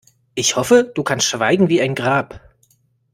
Ich hoffe, du kannst schweigen wie ein Grab.